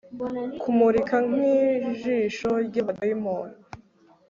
kumurika nk'ijisho ry'abadayimoni